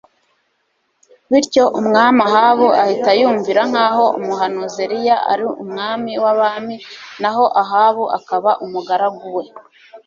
bityo umwami Ahabu ahita yumvira nkaho umuhanuzi Eliya ari umwami wabami naho Ahabu akaba umugaragu we